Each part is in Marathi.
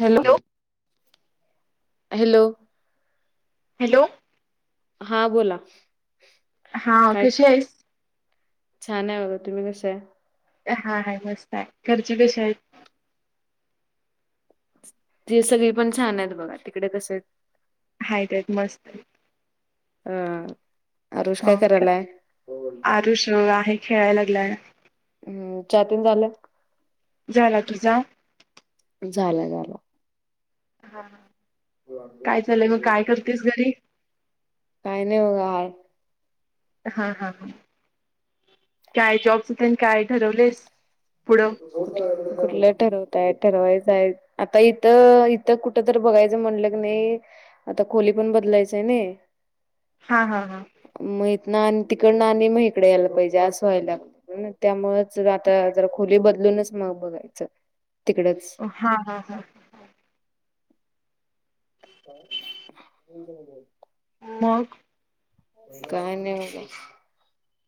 Hello hello. हॅलो हा बोला. हा काय कशी आहेसं? छान आहे बघं तुम्ही कसं आहे? हा हाय मस्त आहे घरचे कसे आहेत? जी सगळी पण छान आहेत. बघा तिकडे कसे आहेत? हाईत हाईत मस्त आहेत. अ आरुष हो काय का करायलाय आरुष आहे खेळाय लागलाय. हम्म चहा तेन झाला? झाला तुझा? झाला झाला. काय चालंय मग काय करतेस घरी? काय नाही बघा [unintelligible] हा हा हा, काय जॉबच तेन आणि काय ठरवलेस, पुढं? कुठलं ठरवताय ठरवायचंय हाय आता इथं इथं कुठं तर बघायचं म्हणलं कनाय आता खोली पण बदलायचय नाही. हा हां हां. म हितन आणि तिकडनं आणि मग इकडे यायला पाहिजे असं व्हायलागलंय. त्यामुळच आता जरा खोली बदलूनच मग बघायचं तिकडच. हा हा हा. [unintelligible] मग. काय [unintelligible]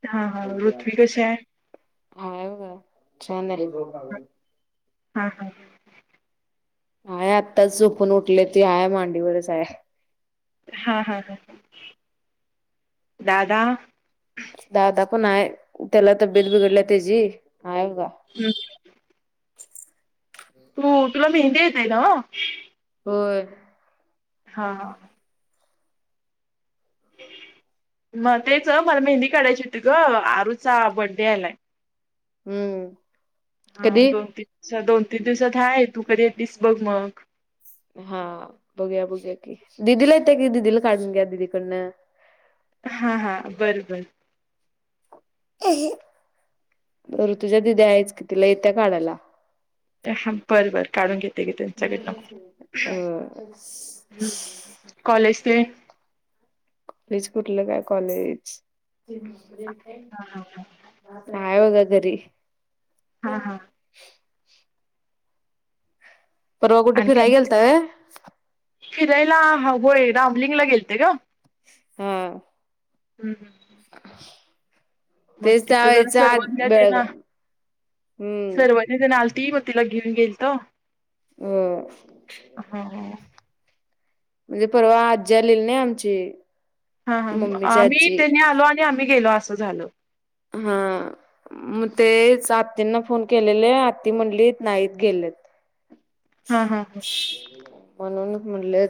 हा हा रुथ्वी कशी हाय. हाय बघा, छान आहे. हां हां. हाय आत्ताच झोपून उठलया ती हाय मांडीवरच हाय. हा हा हा, दादा. दादा पण आहे, त्याला तब्येत बिघडली त्याची हाय बघा. हम. तू तुला मेहंदी येतय ना. होय. हा हा. मग तेच मला मेहंदी काढायची होती ग आरूचा बड्डे आलाय. हम्म. हा कधी दोन तीन दिवस दोन तीन दिवसात हाय तू कधी येतीस बघ मग. हा बघूया बघू की, दिदीला येत्या की दिदीला काढून घ्या दिदीकडनं. हा हा बर बर. [unintelligible] ऋतुच्या दिदी आहेच की तिला येत्या काढायला. हा बरं बर काढून घेते गे त्यांच्याकडन म. कॉलेज हम, कॉलेज तेन. लगेच कुठलं काय कॉलेज? हा हाय बघा घरी. हा हा. परवा कुठं आणि फिराय काय गेलता होय. फिरायला होय रामलिंग ला गेलते ग. हम्म. [unintelligible] मग तेच त्या तिथं जरा वयचं आत सर्वज्ञ तेन बेळगाव. हम्म [unintelligible] आलती म तिला घेऊन गेलतो. हा [unintelligible] हा म्हणजे परवा आज झालेली नाही आमची. हां हां मम्मीची आम्ही आजी त्यांनी आलो आणि आम्ही गेलो असं झाल. हा. म तेच आत्तींना फोन केलेले आत्ती म्हंणली नाहीत गेलेत. हा हा हा. म्हणूनच म्हणटल,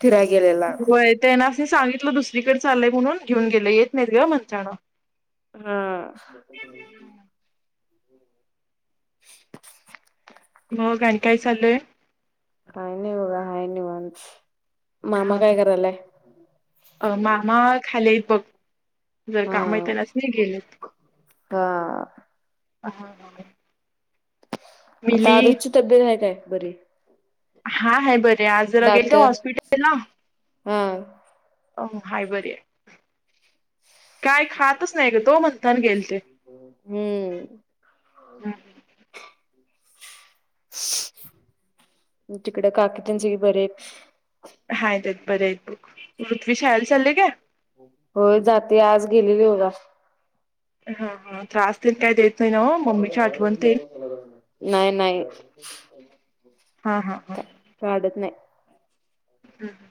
फीराय गेलेला. त्यांनास नी सांगितलं दुसरीकडच चालय म्हणून घेऊ गेलो येत नाहीत ग म्हणताना. हा. मग आणि काय चाललय? काय नय बगा हाय निवांत, मामा काय करायलाय? अ मामा खाली बघ. जर हा काम आहे तरच नाही गेल हा ह आता मिली आरूजची तब्येत आहे काय बरी- हा हय बर आज जरा गेल दात का हॉस्पिटल ला- हा अ हाय बरी आहे, काय खातच नाही ग तो म्हणतान गेल ते. हम्म. हम्म. तिकड काकी तेन सगळी बरी हाईत. हायत आहेत बर आहेत बघ, पृथ्वी शाळेला चाललय का? होय जाते आज गेलेली होगा हा हा त्रासतील काही देत नाही ना मम्मीच्या आठवणतील नाही नाही हा हा हा काय काढत नाही हम्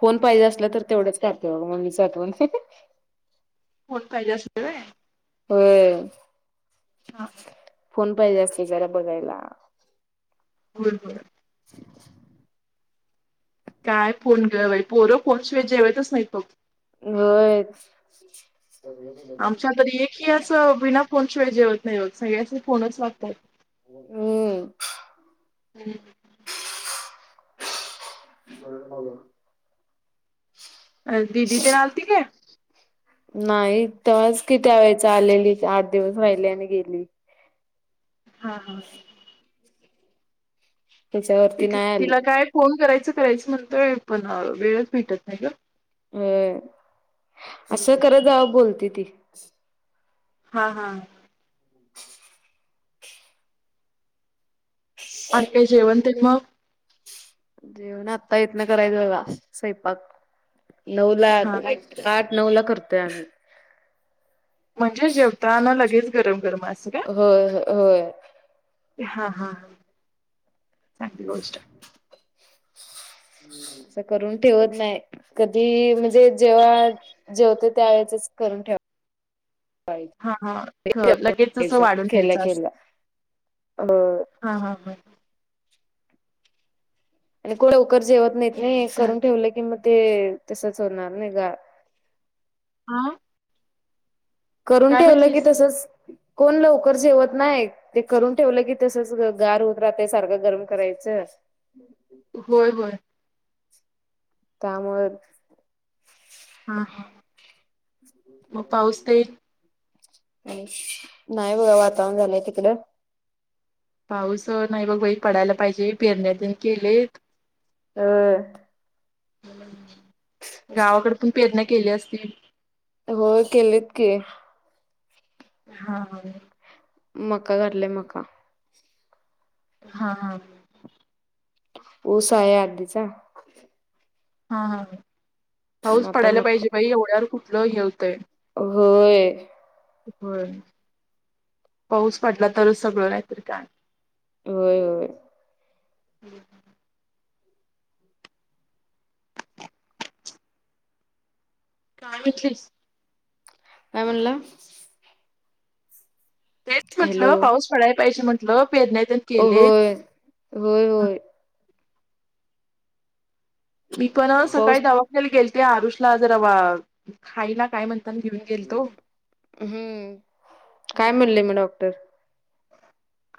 फोन पाहिजे असला तर तेवढंच करते बघ ममीचातण कोण पाहिजे असेय हम् हा फोन पाहिजे असले जरा बघायला हो हो [unintelligible] काय फोन घवा पोर कोोन शिवाय जेवायच नाहीत फघ होयच आमच्या तरी एक ह याच विना फोन शिवाय जेवत नाही होत सगळ्याचे फोनच लागतात हम्म ब अ दिदी ते न ठीक नाही तेव्हाच किती वेळेचा आलेली आठ दिवस राहिले आणि गेली हां हां त्याच्यावरती त नाही आली तिला काय फोन करायचं करायचं म्हणत पण वेळच भेटत नाही ग अ असं करत जा बोलती ती हा हा आणि काही जेवण ते मग जेवण आत्ता येत ना करायचं बघा स्वैंपाक नऊला हा आठ नऊ ला करतोय आम्ही म्हणजे जेवताना लगेच गरम गरम असत होय होय हा हा चांगली गोष्ट अस करून ठेवत नाही कधी म्हणजे जेव्हा ेवते त्यावेेळेसच करून ठेव हा हा ख- लगेच असं वाढून केल्या घ्यायचं अस केल्या ह हा हा हा आणि को लवकर जेवत नाहीत नाही करून चालतय ठेवलं की मग ते तसंच होणार नाही गार हा करून काय ठेवलं की म्हटलीस तसच कोण लवकर जेवत नाही ते करून ठेवलं की तसच गार उत राहतय सारखं गरम करायचं ह होय होय त्यामुळे हा हा मग पाऊस तेही आणि नाही बघा वातावरण झालंय तिकलं पाऊस नाही बघ बाई पडायला पाहिजे पेरण्या केले ह गावाकड पण प्रेरणा केली असती हो केलेत की हा मका घातले मका हा हा उस आहे आधीचा हा हा पाऊस आता पडायला मग काय पाहिजे बाई एवढ्यावर कुठलं हेवतंय होय हो पाऊस पडला तरच सगळं नाहीत का होय होय [inaudible] काय म्हचलीस का म्हनला तेच हॅलो म्हटलं पाऊस पडायला पाहिजे म्हटलं पेरण्याेत होय होय होय मी पण सकाळी पाऊस दवाख्याला गेलते आरुषला जरा वा खाईला काय म्हणते प घेऊन गेल तो हम्म काय म्हणले मग डॉक्टर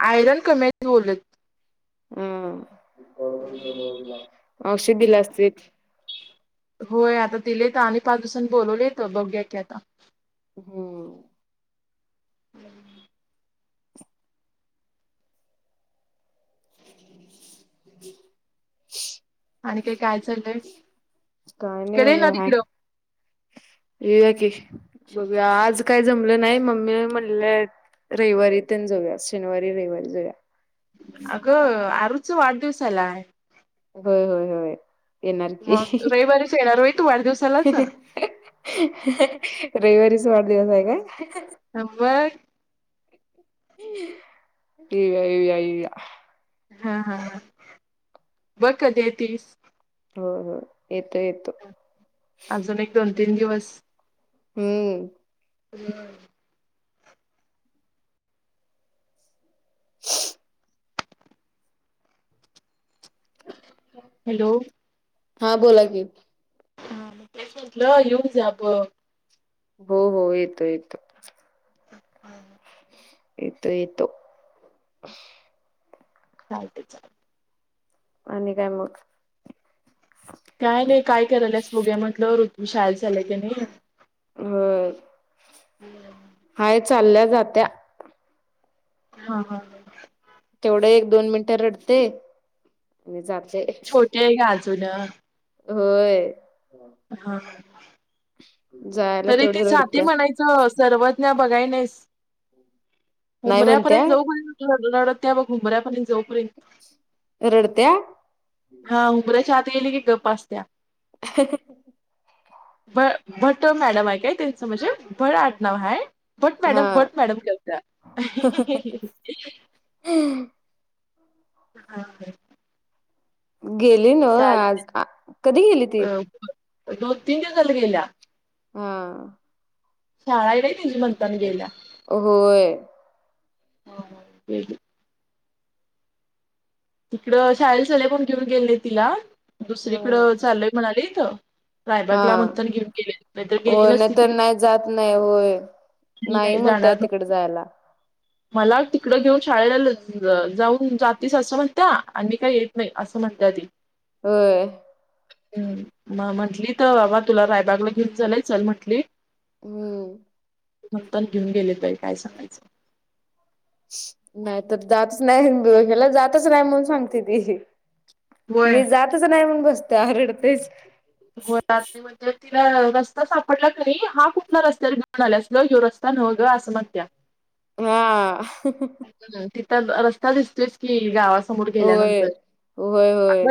आयरन कमी बलेत हम औषध दिला असतील होय आता तिले तर आणि पाच दिवसांनी बोलवले तर बघ्या की आता हम्म [unintelligible] आणि काही काय चालय कडे ना तिकडं ये की बघूया आज काय जमलं नाही मम्मी म्हणलेय रविवारीत जाऊया शनिवारी रविवारी जाऊया अगं अरुच वाढदिवसालाय होय होय होय येणारखी मग रविवारीच येणार होय तू वाढदिवसालाच रविवारीच वाढदिवस आहे का [inaudible] येव ये्या अव्या हा हा ह बघ कध तस हो हो येतो येतो अजून एक दोन तीन दिवस हम्म हम् [inaudible] हॅलो हा बोला की, तेच म्हणलं येऊन ब हो हो येतो येतो. [unintelligible] येतो येतो चालते चा आणि काय मग काय नाही काय करायलस बोगुया म्हटलं ऋतू शाळेला चालाय की नाही. ह ह [unintelligible] हाय चालल्या जात्या हा हा. तेवढं एक दोन मिनिटं रडते. [unintelligible] छोटी आहे का अजून. होय हा जायला तरी ती तेवढी जाती रडत्या म्हणाय सर्वज्ञ बघायलेस नाही म्हणत्या उमऱ्यापर्यंत जाऊ पण [unintelligible] उमऱ्यापर्यंत जाउपर्यंत रडत्या हा उंबऱ्याच्या आत यायली की गप असतेया. भ भट्ट मॅडम आहे काय त्यांच? म्हणजे भट आड नाव हाय- भट हा मॅडम, भट मॅडम करत्या. हं. हां. गेली न चाल आज? कधी गेली ती? अ दोन तीन दिवस झाल गेल्या. आं. शाळा आहे ना तिची म्हणताना गेल्या. होय. गेली तिकडं शाळेला चले म्हणून घेऊन गेले तिला. दुसरीकडं चाललंय म्हणाली त हा. हो गेली नाही नसती ती तर नाही जात नाही होय. मी नाही म्हणताय जाणार न तिकडे जायला. मला तिकडं घेऊन शाळेला [unintelligible] जाऊन जातीस अस- [unintelligible] आम्ही काही येत नाही असं म्हणतेया ती. होय. हम म म्हटली तर बाबा तुला रायबागला घेऊन चलंय चल म्हंटली. हम्म. [unintelligible] घेऊन गेले बाई काय सांगायचं. नाही तर जातच नाही. याला जातच नाही म्हणून सांगते ती. होय मी जातच नाही म्हणून बसत्या रडतेच. [unintelligible] म्हणजे तिला रस्ता सापडला कणी. हा कुठल्या रस्त्यावर घेऊन आल्यास ग? ह्यो रस्ता न्हव ग असं म्हणतेया. हा. हम्म रस्ता दिसतोयच की गावासमोर होय गेल्यानंतर. होय [unintelligible] [unintelligible] होय होय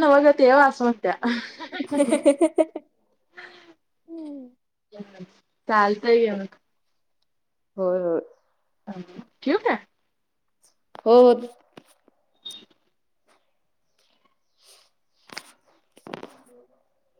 नव्ह ग त्यो अस म्हणतेया. [unintelligible] चालतय [unintelligible] होय होय. ठेवू का? हो. [inaudible]